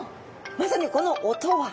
まさにこの音は。